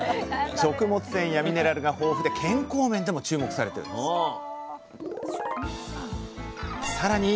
食物繊維やミネラルが豊富で健康面でも注目されているんですさらに